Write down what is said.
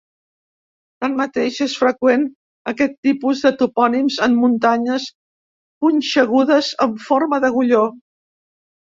Tanmateix és freqüent aquest tipus de topònims en muntanyes punxegudes amb forma d'agulló.